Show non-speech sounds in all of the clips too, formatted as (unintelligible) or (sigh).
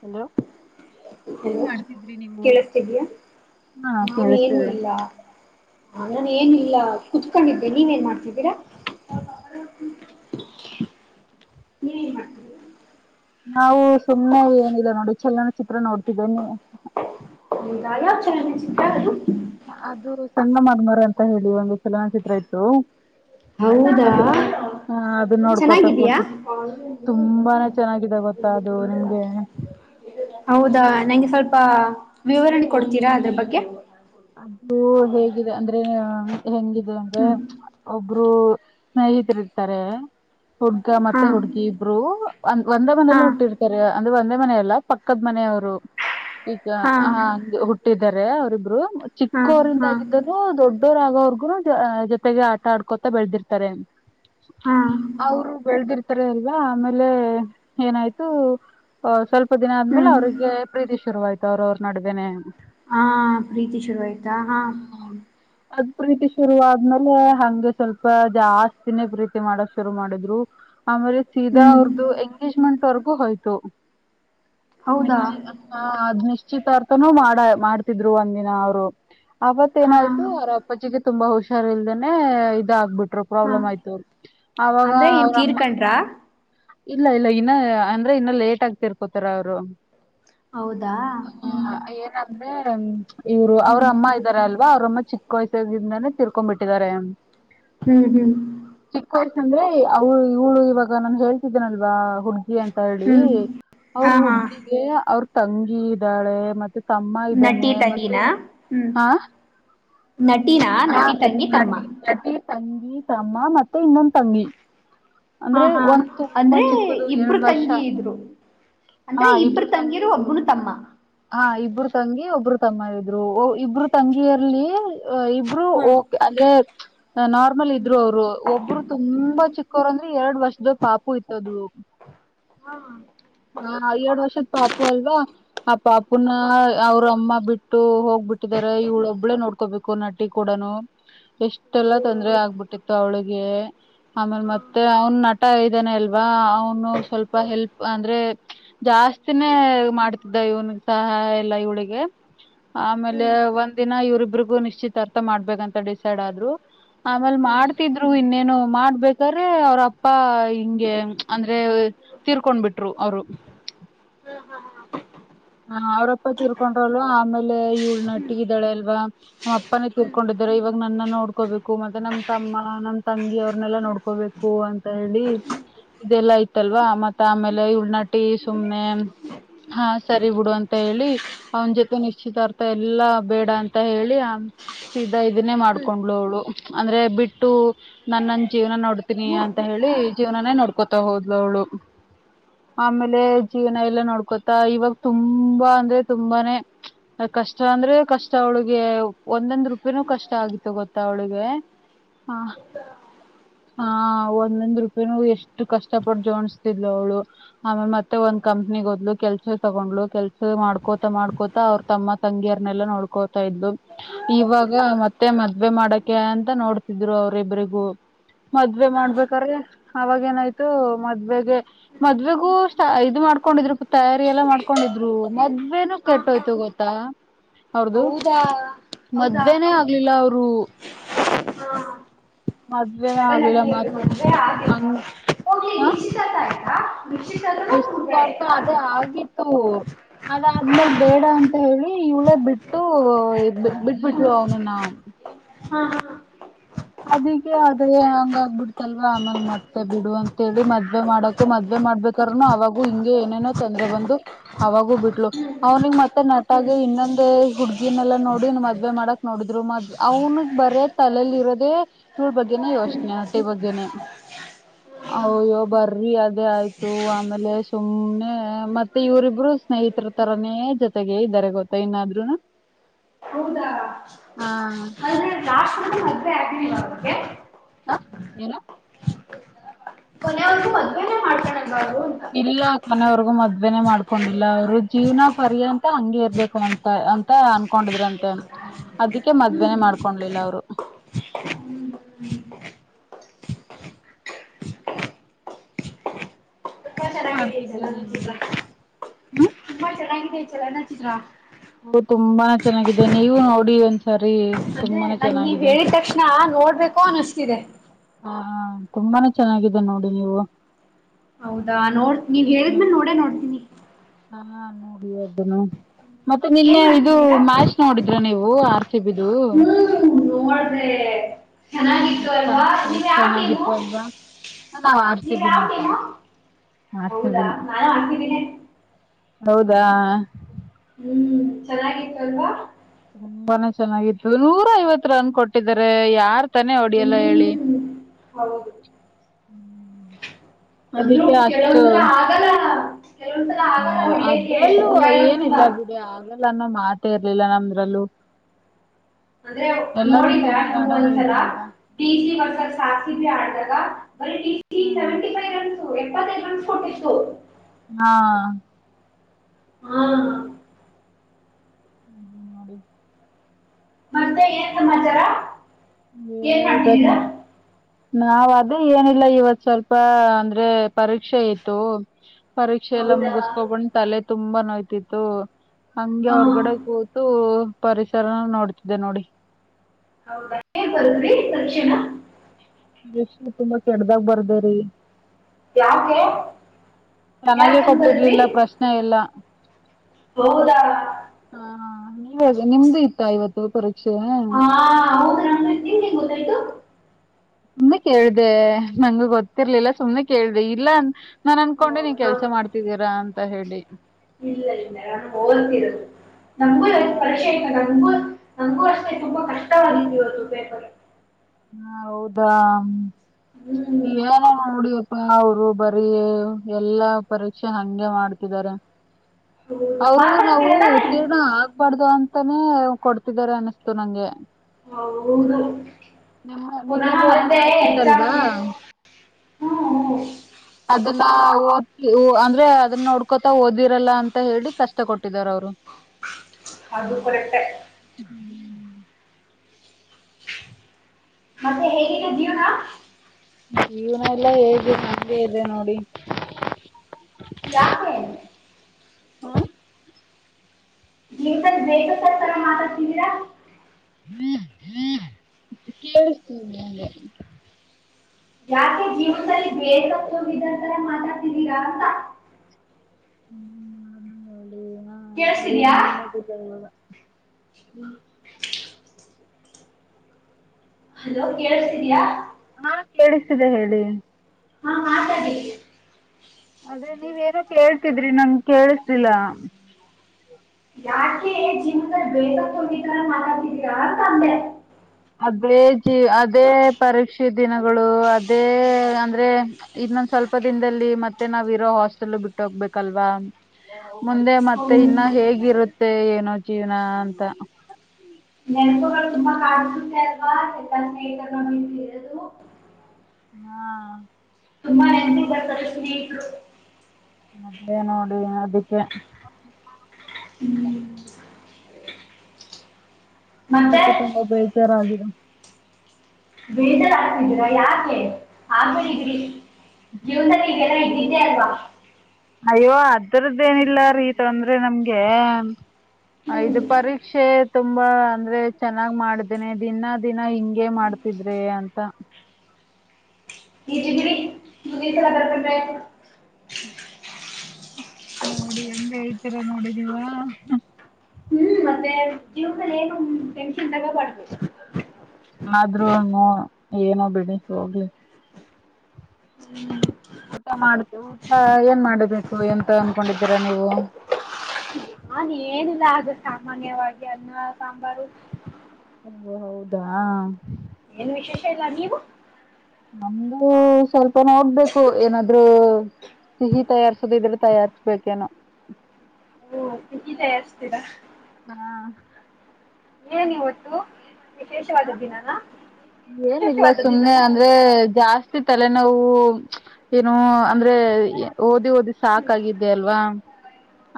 Hello ಏನ್ hello ಮಾಡ್ತಿದ್ರಿ ನೀವು ಕೇಳಸ್ತಿದಯ ಹಾ ನಾನ್ ಏನು ಕೇಳಿಸ್ತಿದೆ ಇಲ್ಲ. ಹ ನಾನು ಏನು ಇಲ್ಲ ಕುತ್ಕೊಂಡಿದ್ದೆ ನೀವೇನ್ ಮಾಡ್ತಿದ್ದೀರಾ ನೀವ್ ಏನ್ ಮಾಡ್ತಿದ್ದೀರಾ. ನಾವು ಸುಮ್ಮ್ನೆಾಏನಿಲ್ಲ ನೋಡಿ ಚಲನ ಚಿತ್ರ ನೋ ಇದ್ದೆ ನೀವು. (unintelligible) ಅದು ಸಣ್ಣ ಮಾರಮರ ಅಂತ ಹೇಳಿ ಒಂದು ಚಲನಚಿತ್ರ ಇತ್ತು ಹೌದಾ ಅದು ಹ ಅದು ನೋಡ್ಕೋತ ಚೆನ್ನಾಗಿದಿಯಾ ಕೂತಿ ತುಂಬಾನೇ ಚೆನ್ನಾಗಿದೆ ಗೊತ್ತಾ ಅದು ನಿಮ್ಗೆ ಹೌದಾ ನಂಗೆ ಸ್ವಲ್ಪ ವಿವರಣೆ ಕೊಡ್ತೀರಾ ಅದ್ರು ಬಗ್ಗೆ. ಅದು ಹೇಗಿದೆ ಅಂದ್ರೆ ಹೆಂಗಿದೆ ಅಂದ್ರೆ ಹ್ಮ್ ಒಬ್ಬರು ರು ಸ್ನೇಹಿತರು ಇರ್ತಾರೆ ಹುಡ್ಗ ಹಾ ಮತ್ತೆ ಹುಡ್ಗಿ ಇಬ್ರು ಒಂದ್ ಒಂದೇ ಹಾ ಮನೇಲೆ ಹುಟ್ಟಿರ್ತಾರೆ. ಒಂದೇ ಮನೆಯಲ್ಲ ಪಕ್ಕದ ಮನೆಯವ ಈಗ ಹಾ ಆ ಹುಟ್ಟಿದ ಇದಾರೆ ಅವರಿಬ್ರು ಹಾ ಚಿಕ್ಕೋರಿಂದ ಹಾ ಆಗಿದ್ದನು ದೊಡ್ಡ ದೊಡ್ಡವರ್ ಆಗೋವರ್ಗುನು ಜೊತೆಗೆ ಆಟ ಆಡ್ಕೊತಾ ಬೆಳದಿರ್ತಾರೆ. ಹಾ ಅವರು ಬೆಳದಿರ್ತ ರ ಇಲ್ವಾ ಆಮೇಲೆ ಏನಾಯ್ತು ಸ್ವಲ್ಪ ಸ್ವಲ್ಪ ದಿನ ಆದ್ಮೇಲೆ ಹ್ಮ್ ಅವರಿಗೆ ಪ್ರೀತಿ ಶುರುವಯ್ತ್ ಅವ್ರ್ ಅವ್ರ ನಡುವೆನೆ ಹಾ ಪ್ರೀತಿ ಶುರುವಾಯಿತಾ ಹಾಂ ಅದ್ ಪ್ರೀತಿ ಶುರು ಆದ್ಮೇಲೆ ಹಗೆ ಸ್ವಲ್ಪ ಜಾಸ್ತಿನೇ ಪ್ರೀತಿ ಮಾಡಕ್ ಶುರು ಮಾಡಿದ್ರು ಆಮೇಲೆ ಸೀದಾ ಹ್ಮ್ ಅವ್ರ್ದು ಎಂಗೇಜ್ಮೆಂಟ್ ವರೆಗೂ ಹಯ್ತು ಹೌದಾ ನಿಷ್ಟಿರ್ತಾರ್ಥ (unintelligible) ಮಾಡಾಯ್ ಮಾಡ್ತಿದ್ರು ಒಂದ್ (inaudible) ಅವ್ರು ಆವತ್ತ ಹಾ ಏನಾಯ್ತು ಅವರ ಅಪ್ಪಜಿಗೆ ತುಂಬಾ ಖುಷಿ ಕುಟುಂಬ ಇಲ್ದನೆೇ ಆಗ್ಬಿಟ್ಟು ನಾನ್ನು ಹಾ ಅಂದ್ರೆ ಏನ್ ಎನ್ನು ತೀರ್ಕಂಡ್ರಾ ಮಾಡಿಲ್ಲ ಇಲ್ಲಾ ಇಲ್ಲಾ ಅಂತ್ತ ಮಾತ್ತು ಆಡೋತ್ತು ಆದ್ರೆ ಇನು ಲೇಟ್ ಆಗಿ ತೀರಿಕೊಂತಾರೆ ಅವರು ಹೌದಾ ಹ್ಮ್ ಹ ಏನಂದ್ರೆ ಇವರು ಅವ್ರ ಹ್ಮ್ ಅಮ್ಮ ಇದ್ದಾರೆ ಅಲ್ವಾ ಅವ್ರಮ್ಮ ತಂಗಿ ಚಿಕ್ಕ ಅಮ್ಮ ವಯಸ್ಸು ಆದಮೇಲೆ ಸತ್ತು ಹೋದರು ಹ್ಮ್ ಹ್ಮ್ ಚಿಕ್ಕ ವಯಸ ಅಂದ್ರೆ ಅವಳ ಇವಳು ಇವಾಗ ನಮ ಹೇಳ್ ಿದ್ದನಲ್ವಾ ಹುಡ್ಗಿ ಅಂತ ಹೇಳಿ ಹ್ಮ್ ಅವ್ರ ಹಾ ಹಾ ಹುಡ್ಗಿಗೆ ಅವ್ರ ನಮ್ಮ ತಂಗಿ ಹಾಳ ಮತ್ತೆ ನನ್ನ ತಮ್ಮ ತಮ್ಮ ಇದ್ದಾನೆ ಮತ್ ದಿನ ಹ್ಮ್ ನಟಿನಾ ನಟಿ ತಂಗಿ ತಮ್ಮ. ಈ ತಮ್ಮ ಮತ್ತೆ ಇನ್ನೊಂದ್ ತಂಗಿ ಹಾ ಅಂದ್ರೆ ಹಾ ಒಂದ್ ತುಂಬಾ ಅಂದ್ರೆ ಚಿಕ್ಕದು ಇಬ್ರು ಎರಡ್ ವರ್ಷ ತಂಗಿ ಇದ್ರು ಹಾ ಅಂದ್ರೆ ಇಬ್ರು ತಂಗೀರು ತಂಗಿಯರು ಒಬ್ಬನು ತಮ್ಮ. ಹಾ ಇಬ್ರು ತಂಗಿ ಒಬ್ರು ತಮ್ಮ ಇದ್ರು ಇಬ್ರು ತಂಗಿಯರ್ಲಿ ಇಬ್ಬರು ಹಾ ಹ್ಮ್ ಓಕ್ ಅಂದ್ರೆ ನಾರ್ಮಲ್ ಇದ್ರು ಅವ್ರು ಒಬ್ರು ತುಂಬಾ ಚಿಕ್ಕೋರು ಅಂದ್ರೆ ಎರಡು ವರ್ಷದ ಪಾಪು ಇತ್ತದು ಹಾ ಎರಡು ವರ್ಷ ಪಾಪು ಅಲ್ವಾ ಪಾಪುನ ಹಾ ಅವ್ರ ಅಮ್ಮ ಬಿಟ್ಟ (unintelligible) ಬಿಟ್ಟಿದಿದ್ದಾರೆ ಇವು ಒಬ್ಳೇ ನೋಡ್ಕೋಬೇಕು ನಟಿ ಕೊೂಡನು ಎಷ್ಟೆಲ್ಲ ತೊಂದರೆ ಆಗ್ಬಿಟ್ಟಿತ್ತು ಅವ್ಳಿ ಆಮೇಲೆ ಮತ್ತೆ ಅವನ್ ನಟ ಕೆಲಸ ಮಾಡಿ ದುಡ್ಡು ಸಾಯ ಮಾದಡ್ತಾಇದ ಇದ್ದಾನೆ ಅಲ್ವಾ ಅವನು ಸ್ವಲ್ಪ ಹೆಲ್ಪ್ ಅಂದ್ರೆ ಜಾಸ್ತಿನೇ ಮಾಡ್ತಿದ್ದ ಇವನ್ ಸಹಾಯ ಇಲ್ಲ ಇವಳಿಗೆ ಆಮೇಲೆ ಒಂದ್ ದಿನ ಇವ್ರಿಬ್ರಿಗೂ ನಿಶ್ಚತ್ ಅರ್ಥ ಮಾಡ್ಬೇಕಂತ ಡಿಸೈಡ್ ಆದ್ರು ಆಮೇಲ್ ಮಾಡ್ತಿದ್ರು ಇನ್ನೇನು ಮಾಡ್ಬೇಕ್ರೆ ಅವ್ರಪ್ಪಾ ಹಿಂಗೆ ಅಂದ್ರೆ ತೀರ್ಕೊಂಡ್ ಬಿಿಟ್ರು ಅವ್ರು ಹಾ ಹಾ ಹ ಅವ್ರಪ್ಪ ತೀರ್ಕೊಂಡ್ರ ಅಲ್ವ ಆಮೇಲೆ ಈ ಉಳ್ನಟ್ಟಿ ಇದ್ದಾಳೆ ಅಲ್ವಾ ನಮ್ಮ್ ಅಪ್ಪನೇ ಹ್ಮ್ ತೀರ್ಕೊಂಡಿದಾರ ಇವಾಗ ನನ್ನ ನೋಡ್ಕೋಬೇಕು ಮತ್ತೆ ನಮ್ ತಮ್ಮ ನಮ್ ತಂಗಿ ಅವ್ರನೆಲ್ಲಾ ನೋಡ್ಕೋಬೇಕು ಅಂತ ಹೇಳಿ ಇದೆಲ್ಲಾ ಇತ್ತಲ್ವಾ ಮತ್ತ ಆಮೇಲೆ ಉಳ್ನಾಟಿ ಸುಮ್ನೆ ಹ ಸರಿ ಬಿಡು ಅಂತ ಹೇಳಿ ಅವನ ಜೊತೆ ನಿಶ್ಚಿತಾರ್ಥ ಎಲ್ಲಾ ಬೇಡ ಅಂತ ಹೇಳಿ ಆ ಸದ ಇದನ್ನೇ ಹ್ಮ್ ಮಾಡ್ಕೊಂಡ್ಳ ಅವಳು ಅಂದ್ರೆ ಬಿಟ್ಟು ನನ್ನನ್ ಜೀವನ ನೋಡ್ತೀನಿ ಅಂತ ಹೇಳಿ ಮುಗ್ಬಿಡ್ಲಾ ಜೀವನನೇ ನೋಡ್ಕೊತಾ ಹೋದ್ಲು ಅವಳು ಆಮೇಲೆ ಜೀವನ ಎಲ್ಲ ನೋಡ್ಕೋತ ಇವಾಗ ತುಂಬಾ ಅಂದ್ರೆ ತುಂಬಾನೇ ಕಷ್ಟ ಅಂದ್ರೆ ಕಷ್ಟ ಅವಳಿಗೆ ಒಂದೊಂದ್ ರೂಪಿನೂ ಕಷ್ಟ ಆಗಿತ್ತು ಗೊತ್ತ ಅವಳಿಗೆ ಒಂದೊಂದ್ ರೂಪಿನೂ ಎಷ್ಟು ಕಷ್ಟಪಟ್ಟ ಜೋಡಸ್ತಿಿದ್ ಅವ್ಳು ಆಮೇ ಕಂಪನಿ ಕೆಲಸ ಹೋದಳು ತಗೊಂಡ್ಲು ಕೆಲ್ಸ ಮಾಡ್ಕೋತ ಮಾಡ್ಕೋತ ಅವ್ರ ತಮ್ಮ ತಂಗಿಯರ್ನೆಲ್ಲಾ ನೋಡ್ಕೋತಾ ಇದು ಹಾ ಇವಾಗ ಮತ್ತೆ ಮದ್ವೆ ಮಾಡಕ ಅಂತ ನೋಡ್ತಿದ್ರು ಅವ್ರ ಇಬರಿಗೂ ಮದ್ವೆ ಮಾಡ್ಬೇಕಾರೆ ಅವಾಗೇನಾಯ್ತು ಮದ್ವೆೆಗೆ ಹ್ಮ್ ಮದ್ವೆಗ ಕುಸ್ ಇದಮಾದಕೊಂಡಾಯೂ ಎಲ್ಲಾ ಮಾಡ್ಕೊಂಡಿದ್ರು ಮೊದಲುನು ಹಾ ಹಾ ಕೆಟ್ಟೋಯ್ತು ಗೊತ್ತಾ ಹ ಅವ್ರದುು ಹೌದಾ ಹೌದಾ ಮದ್ವೆನೇ ಆಗ್ಲಿಲ್ಲ ಅವರು ಹಾ ಮದ್ವೆನ ನಟ ಆಗ್ಲಿಲ್ಲ ನಟಿಯದು ಮತ್ ಮಂೆ ಆ ಹಂಗ ಹೋಗಿ್ತ (unintelligible) ಎಷ್ಟಾರ್ಥ ಅದೇ ಹಾ ಆಗಿತ್ತು ಅದಾದ್ಮೇಲ್ ಬೇಡ ಅಂತ ಹೇಳಿ ಇವಳೇ ಬಿಟ್ಟು ಬಿಟ್ಬಿಟ್ಲು ಅವನನ್ನ ಹಾ ಹಾ ಅದಿಗೆ ಅದೇ ಹಂಗ ಆಗ್ಬ ಬಿಡ್ತಲ್ವ ಆಮೇಲ್ ಮತ್ತೆ ಬಿಡು ಅಂತಿ ಮದ್ವೆ ಮಾಡಕ ಮದ್ವೆ ಮಾಡ್ಬೇಕ್ರನು ಅವಾಗೂ ಹಿಂಗೆ ಏನೇನೋ ತೊಂದ್ರೆ ಬಂದು ಅವಾಗೂ ಬಿಟ್ಲು ಅವ್ನಿಗ್ ಮತ್ತೆ ನಟಾಗಿ ಇನ್ನೊಂದೇ ಹುಡ್ಗೀನ್ಲ್ಲಾ ನೋಡಿ ಮದ್ವೆ ಮಾಡಕ್ ನೋಡಿದ್ರು ಮದ್ ಅವ್ನಗ್ ಬರೇ ತಲೆಲಿ ಇರೋದ ಇವಳ ಬಗ್ಗೆನೇ ಯೋಚನೆ ಅಟಿ ಬಗ್ಗೆನೆ ಅಯ್ಯೋ ಬರ್ರಿ ಅದೇ ಆಯ್ತು ಆಮೇಲೆ ಸುಮ್ನೆ ಮತ್ತೆ ಇವರಿಬ್ರು ಸ್ನೇಹಿತರ ತರನೇ ಜೊತೆಗೆ ಇದ್ದಾರೆ ಗೊತ್ತ ಇನ್ನಾದರು ಹೌದಾ ಆದ್ರೆ ಲಾಸ್ಟ್ ವರೆಗೂ ಮದ್ವೆ ಆಗಿಲ್ವಾ ಅವ್ರಿಗೆ ಹಾ ಏನ ಕೊನೆವರೆಗೂ ಮದ್ವೆನೇ ಮಾಡ್ಕೊಳಲ್ವಾ ಅವರು ಅಂತ ಇಲ್ಲ ಕೊನೆಯವರ್ಗೂ ಮದ್ವೆನೆ ಮಾಡ್ಕೊಂಡಿಲ್ಲ ಅವ್ರು ಜೀವನ ಪರ್ಯಂತ ಹಂಗಗೆ ಇರ್ಬೇಕು ಅಂತ ಅಂತ ಅನ್ಕೊಂಡಿದ್ರಂತೆ ಅದಕ್ಕೆ ಮದ್ವೆನೆ ಮಾಡ್ಕೊಂಡ್ಲಿಲ್ಲ ಅವ್ರು ತುಂಬಾ ಏನ್ ಚೆನ್ನಾಗಿದೆ ಮಾಡ್ತಿದ್ರಿ ನೀವು ಚಲನಚಿತ್ರ ಹ್ಮ ಏಗಿದೆ ಚಲನ ಚಿತ್ರ ನನಗೂ ತುಂಬಾನೆ ಚೆನ್ನಾಗಿದೆ ನೀವು ನೋಡಿ ಒಂದ್ ಸ ಅದೇ ನನ್ ನೀವ್ ಹೇಳಿದ ತಕ್ಷಣ ನೋಡ್ಬೇಕು ಅನ್ನಿಸ್ತಿದೆ ಹ ತುಂಬಾನೇ ಚೆನ್ನಾಗಿದೆ ನೋಡಿ ನೀವು ಹೌದಾ ನೋಡ್ ನೀವ್ ಹೇಳಿದ್ಮೇಲೆ ನೋಡೇ ನೋಡ್ತೀನಿ. ಹಾ ನೋಡಿ ಅದನ್ನ ಮತ್ತೆ ನಿನ್ನೆ ಏನ್ ಇದು ಮಾಡ್ತಿದ್ದೀರಾ ಮ್ಯಾಚ್ ನೋಡಿದ್ ಇದ್ರ ನೀವು ಆರ್ಸಿಬಿ ದು ಹ್ಮ್ (unintelligible) ಚೆನ್ನಾಗಿತ್ತು ಅಲ್ವಾ ನೀವ್ ಯಾವ ಟೀಂ. ನಾನು ಆರ್ಸಿಬಿನೆ ಅಪ್ಪಾ ಹೌದಾ ಆರ್ಸಿಬಿನೆ ನೀನೇನ್ ಹೌದಾ. ಚೆನ್ನಾಗಿತ್ತು ಅಲ್ವಾ ತುಂಬಾನೆ ಚೆನ್ನಾಗಿತ್ತು ನೂರ ಐವತ್ ರನ್ ಕೊಟ್ಟಿದ್ದಾರೆ ಯಾರ್ ತಾನೇ ಹೊಡಿಯಲ್ಲ ಹ್ಮ್ ಹೇಳಿ ಹೌದು ಹ್ಮ್. ಅಂದ್ರು ಕೆಲವೊಂದ್ಸಲ ಆಗಲ್ಲ ಹಾ ಅದ್ರಲ್ಲೂ ನೂರ ಐವತ್ತು ಕೂಡ ಏನಿಲ್ಲ ಬಿಡಿ ಆಗಲ್ಲ ಅನ್ನೊ ಮಾತೇ ಇರ್ಲಿಲ್ಲ ನಮ್ದ್ರಲ್ಲೂ. ಅದೇ ಎಲ್ಲರೂ ನೋಡಿದ್ರ ಚೆನ್ನಾಗ್ ನೀವು ಆಡೋರು ಒಂದ್ಸಲ ಇದ್ರಲ್ವಾ ಜೀಟಿ ವರ್ಸಸ್ ಆರ್ಸಿಬಿ ಆ (unintelligible) (unintelligible) ಹ್ಮ್ ಎಪ್ಪತ್ತೈದು ಒನ್ಸ್ ಕೊಟ್ಟಿತ್ತು ಹಾ ಹ್ಮ ಹ್ಮ ಮಾಡಡಿ (inaudible) (inaudible) ಮತ್ತೆ ಏನ್ ಸಮಾಚಾರ ಏನ್ ದ ಮಾಡ್ತಿದ್ದೀರಾ ಮಾಡ (inaudible) ನಾವವು ಅದೇ ಏನಿಲ್ಲ ಇವತ್ ಸ್ವಲ್ಪ ಅಂದ್ರೆ ಪರೀಕ್ಷೆ ಇತ್ತು ಪರೀಕ್ಷೆ ಎಲ್ಲ ಹೌದಾ ಮುಗಿಸ್ಕೊಬಂದ್ ತಲೆ ತುಂಬಾ ನೋಯ್ತಿತ್ತು ಹಂಗೆ ಹಾ ಅವರ್ಗಡೆ ಕೂತು ಪರಿಸರ ನೋಡ್ತಿದ್ದೆ ನೋಡಿ ಹೇ ಬರೀದ್ರಿ ದಕ್ಷಿಣ ಕ್ಷ್ಮ ತುಂಬಾ ಕೆಡ್ದಾಗ ಬರ್ದರಿೀ ಕಾರ ಕೆ ಹನಾಗಿ (inaudible) ಕೊಟ್ಟಿರ್ಲಿಲ್ಲ ಪ್ರಶ್ನೆ ಎಲ್ಲ ಹೌದಾ ಹಾ ನೀವಾಗ ನಿಮ್ದು ಇತ್ತ ಇವತ್ತು ಪರೀಕ್ಷೆ ಹಾ ಹೌದು ನಮ್ಗೆ ನಿಮ್ಗೆ ಗೊತ್ತಾಯ್ತು ಸುಮ್ನೆ ಕೇಳ್ದ ನಂಗು ಗೊತ್ತಿರ್ಲಿಲ್ಲ ಸುಮ್ನೆ ಕೇಳ್ದ ಇಲ್ಲ ನಾನ್ ಓ, ಅನ್ಕೊಂಡೆ ನೀ ಹಾ ಕೆಲ್ಸ ಮಾಡ್ತಿದ್ದೀರಾ ಅಂತ ಹೇಳಿ ಹನ್ತರ ಹಾ ೇ (inaudible) ಹ ಹೌದಾ ಹ್ಮ್ ಏನ ನೋಡ ಅಪ್ಪ ಅವರು ಬರೀ ಎಲ್ಲಾ ಪರೀಕ್ಷೆ ಹಂಗೆ ಮಾಡ್ತಿದ್ದಾರೆ ಹೌದು ಅವರು ಪಾಸ್ ನಾವು ಆಗ್ತೀರಾ ತಾನೇ ಉತ್ತೀರ್ಣ ಆಗ್ಬಾರ್ದು ಅಂತಾನೇ ಕೊಡ್ತಿದ್ದಾರೆ ಅನಿಸತು ನಂಗೆ ಹೌದು ನಮ್ಮ (inaudible) ನಿನ್ನೆ ಪುನಃ ಬೇರೆ ಮತ್ತೆ ಹಕಿತ್ತಲ್ವಾ ಎಕ್ಸಾಮ್ಗೆ ಹ್ಮ್ ಅದುನ್ನ ಓದ್ ಅಂದ್ರೆ ಅದನ್ ನೋಡ್ಕೋತಾ ಓದಿರಲ್ಲ ಅಂತ ಹೇಳಿ ಕಷ್ಟ ಕೊಟ್ಟಿದಾರ ಅವರು. ಅದುಬರಟ್ಟೆ ಹ್ಮ್ (inaudible) ಮತ್ತೆ ಹೇಗಿದೆ ದೀವ್ನಾ ಜೀವನ ಎಲ್ಲ ಹೇಗೆ ನಮಗೆ ಇಲ್ಲ ನೋಡಿ ಯಾತ್ನು ಹಾ ನಿನ್ ಬೇಕು ತರ್ಕರ ಮಾತ ಹ್ಮ ಹ್ಮ ಕೆ ಯಾಕೆ ಜೀವನದಲ್ಲಿ ಬೇರೆ ಹೊ ತೋಗಿದತರ ಮಾತಾಡ್ತಿದ್ದೀರಾ ಅಂತ ಹ್ಮ್ ಹ ನ ಕೇಳಿಸ್ತಿದ್ಯಾ ಏನ್ ಮಾಡೋದಿಲ್ಲ ಇವಾಗ ಹ್ಮ್ (inaudible) ಹಲೋ ಕೇಳುಸಿತ್ತದೆಯಾ ಹಾ ಕೇಳಿಸಿದೆ ಹೇಳಿ ಹಾ ಮಾತಾ್ದೀಿ ಆದ್ರೆ ನೀವೇಏನೋ ಕೇಳ್ತಿದ್ರಿ ನನ್ ಕೇೇಳಿಸಿಲ್ಲ ಯಾಕೆ ಜೀವದಲ್ಲಿ ಬೇೇಕ ತಾರ ಮಾತಾತಿದೀರ ತಂದೆ ಅದೇ ಜೀ ಅದೇ ಪರೀಕ್ಷೆ ದಿನಗಳು ಅದೇ ಅಂದ್ರೆ ಇನ್ನೊಂದ್ ಸ್ವಲ್ಪ ದಿನದಲ್ಲಿ ಮತ್ತೆ ನಾವ್ಿರೋ ಹಾಸ್ಟೆಲ್ ಬಿಟ್ಟ ಹೋಗ್ಬೇಕಲ್ವಾ ಮುಂದೆ ಮತ್ತೆ ಹೌದು ಇನ್ನ ಹೇಗಿರುತ್ತೆ ಮತ್ತೆ ಏನೋ ಜೀವನ ಅಂತ ನೆನಪುಗಳು ತುಂಬಾ ಕಾಣುತ್ತ (inaudible) ಹಾ (inaudible) ಮದೆ ನೋಡಿದಿಕ್ಕೆ ಹ ಹ ಮತ್ತೆ ಅದಕ್ಕೆ ತುಂಬಾ ಬೇಜಾರಾಗಿತ್ (unintelligible) ಬೇಜರ್ ಅಂತಿದಿರ ಯಾಕೆ ಆಗ್ಬಿಟ್ಟಿದ್ರಿ ಜೀವನದಲ್ಲಿ ಇದೆಲ್ಲಾ ಇದ್ದಿದ್ದೆ ಅಲ್ವಾ? ಅಯ್ಯೋ ಅದ್ರದ್ದೇನಿಲ್ಲ ರೀತ ಅಂದ್ರೆ ನಮ್ಗೆ ಹ್ಮ್ ಇದು ಪರೀಕ್ಷೆ ತುಂಬಾ ಅಂದ್ರೆ ಚೆನ್ನಾಗ್ ಮಾಡಿದ್ದೇನೆ ದಿನ ದಿನಾ ಹಿಂಗಗೆ ಮಾಡ್ತಿದ್ರೆ ಅಂತ ಇದು ಬಿಡಿ (inaudible) ಹ್ಮ ನೋಡಿ ಎಂತ ಹೇಳ್ತೀರಾ ನೋಡಿ ನೀವ ಹ್ಮ್ ಮತ್ತೆ ಜೀವನದಲ್ಲಿ ಏನು ಟೆನ್ಷನ್ ತಗೋಬಾರ್ದು ಆದ್ರೂ ಏನೋ ಬಿಡಿ ಹೋಗ್ಲಿ ಊಟ ಮಾಡದು ಊಟ ಏನ್ ಮಾಡಬೇಕು ಎಂತ ಅನ್ಕೊಂಡಿದ್ದೀರಾ ನೀವು? ನಾನು ಏನಿಲ್ಲ ಅದೆ ಸಾಮಾನ್ಯವಾಗಿ ಅನ್ನ ಸಾಂಬಾರು, ಹ ಹೌದಾ ಏನು ವಿಶೇಷ ಇಲ್ಲ ನೀವು ನಮ್ದು ಸ್ವಲ್ಪ ನ ಹೋಗ್ಬೇಕು ಏನಾದ್ೂ ಸಿಹಿ ತಯಾರ್ಸದ ಇದ್ರೆ ತಯಾರ್ಸ್ಬೇಕೇನೋ ತಯಸ್ತಿರಾ ಹಾ ಏನ್ ಇವತ್ತು ವಿಶೇಷವಾದ ದಿನನ ಏನಿಲ್ಲ ವಿಶೇಷವಾದ ಸುಮ್ನೆ ದಿನನ ಅಂದ್ರೆ ಜಾಸ್ತಿ ತಲೆನೋವು ಏನು ಅಂದ್ರೆ ಓದಿ ಓದಿ ಸಾಕಾಗಿದೆ ಅಲ್ವಾ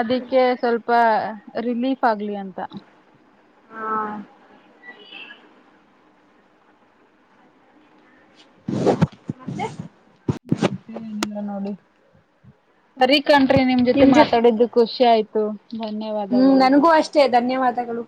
ಅದಕ್ಕೆ ಸ್ವಲ್ಪ ರಿಲೀಫ್ ಆಗ್ಲಿ ಅಂತ ನ ನಿ ಅರಿ ಕಂ್ರಿ ನಿಮ್ ಜೊತೆ ಮಾತಾಡಿದ್ದು ಖುಷಿ (inaudible) ಆಯ್ತು. ಹ್ಮ್ ಧನ್ಯವಾದಗಳು. ನನಗೂ ಅಷ್ಟೇ ಧನ್ಯವಾದಗಳು